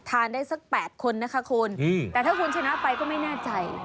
ได้สัก๘คนนะคะคุณแต่ถ้าคุณชนะไปก็ไม่แน่ใจ